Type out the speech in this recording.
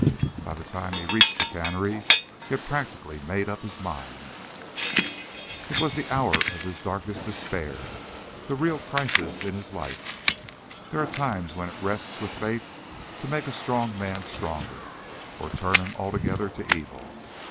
By the time he had reached the cannery, he had practically made up his mind. It was the hour of his darkest despair the real crisis in his life. There are times when it rests with fate to make a strong man stronger or turn him altogether to evil.